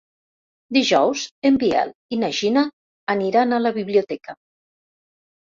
Dijous en Biel i na Gina aniran a la biblioteca.